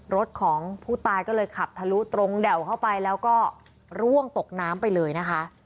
รถของผู้ตายก็เลยขับทะลุตรงแด่วเข้าไปแล้วก็ร่วงตกน้ำไปเลยนะคะ